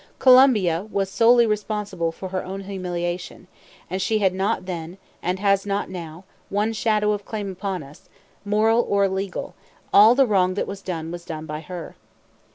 Colombia was solely responsible for her own humiliation; and she had not then, and has not now, one shadow of claim upon us, moral or legal; all the wrong that was done was done by her.